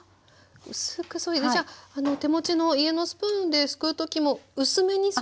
薄くそいでじゃあ手持ちの家のスプーンですくう時も薄めにそぐように。